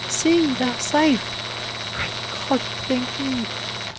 "See! they are safe! Great God, I thank Thee!"